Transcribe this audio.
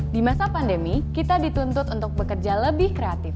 di masa pandemi kita dituntut untuk bekerja lebih kreatif